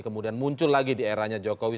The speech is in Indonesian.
kemudian muncul lagi di eranya jokowi